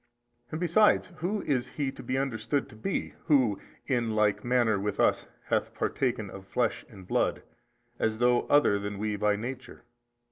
A. And besides who is he to be understood to be who in like manner with us hath partaken of blood and flesh, as though other than we by nature?